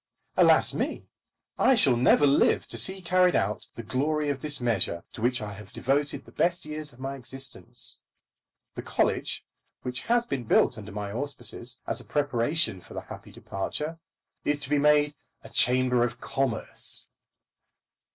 Alas me! I shall never live to see carried out the glory of this measure to which I have devoted the best years of my existence. The college, which has been built under my auspices as a preparation for the happy departure, is to be made a Chamber of Commerce.